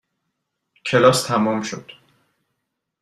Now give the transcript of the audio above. کلاس تمام شد.